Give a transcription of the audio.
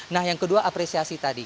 nah yang kedua apresiasi tadi